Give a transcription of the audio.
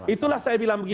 itulah saya bilang begini